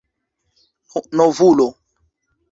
novulo